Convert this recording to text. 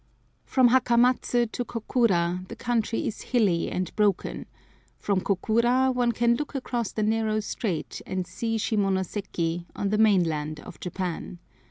Prom Hakamatsu to Kokura the country is hilly and broken; from Kokura one can look across the narrow strait and see Shimonoseki, on the mainland of Japan.